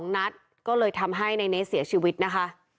๒นัดก็เลยทำให้ในเนสเสียชีวิตนะคะ